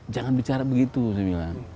jangan bicara begitu saya bilang